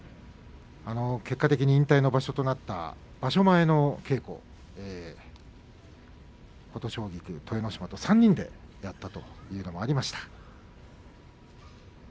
結果的に引退の場所となった場所前の稽古琴奨菊、豊ノ島と３人でやったというのもありました。